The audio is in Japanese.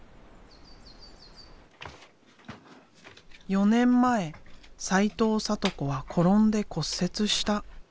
４年前齊藤サト子は転んで骨折した。